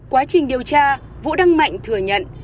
quá trình điều tra vũ đăng mạnh thừa nhận